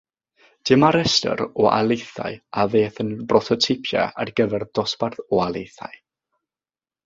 Dyma restr o alaethau a ddaeth yn brototeipiau ar gyfer dosbarth o alaethau.